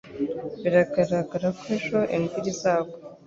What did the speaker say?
Biragaragara ko ejo imvura izagwa